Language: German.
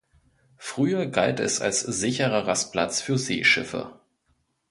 Früher galt es als sicherer Rastplatz für Seeschiffe.